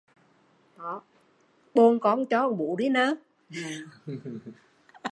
Bồn con cho con bú